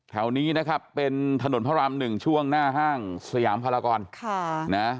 แถวนี้นะครับเป็นถนนพระรามหนึ่งช่วงหน้าห้างสยามพลากรค่ะนะ